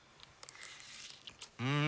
うん！